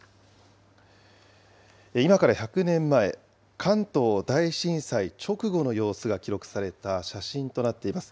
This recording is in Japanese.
今から１００年前、関東大震災直後の様子が記録された写真となっています。